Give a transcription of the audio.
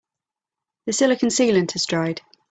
The silicon sealant has dried.